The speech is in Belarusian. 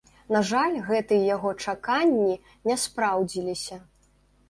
На жаль, гэтыя яго чаканні не спраўдзіліся.